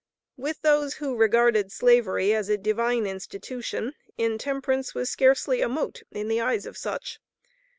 With those who regarded Slavery as a "divine institution," intemperance was scarcely a mote, in the eyes of such.